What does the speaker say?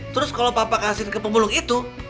terus kalau papa kasih ke pemulung itu